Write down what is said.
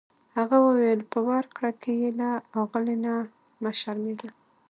هغه وویل په ورکړه کې یې له اغلې نه مه شرمیږه.